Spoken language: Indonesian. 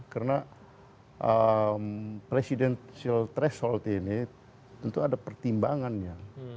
karena presidensial threshold ini tentu ada pertimbangannya